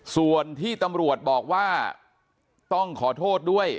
ส่วนที่ตำรวจบอกว่าต้องขอโทษด้วย